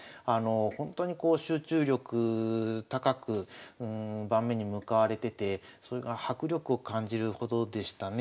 ほんとにこう集中力高く盤面に向かわれててそれが迫力を感じるほどでしたね。